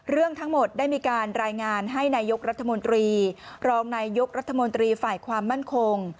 เรื่องทั้งหมดได้มีการรายงานให้นายกรัฐมนตรีรองนายยกรัฐมนตรีฝ่ายความมั่นคง